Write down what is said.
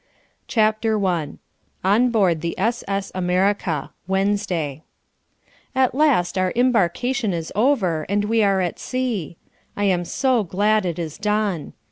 CHAPTER I On Board the S.S. America. Wednesday At last our embarkation is over, and we are at sea. I am so glad it is done.